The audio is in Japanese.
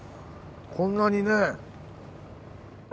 こんなにね。